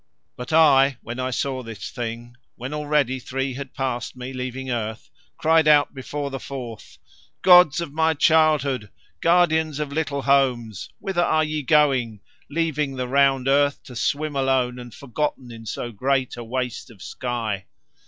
But I, when I saw this thing, when already three had passed me, leaving earth, cried out before the fourth: 'Gods of my childhood, guardians of little homes, whither are ye going, leaving the round earth to swim alone and forgotten in so great a waste of sky?